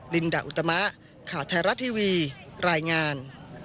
ลินดาอุตมะข่าวไทยรัฐทีวีรายงาน